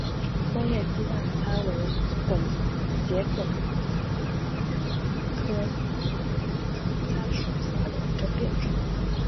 松叶鸡蛋参为桔梗科党参属下的一个变种。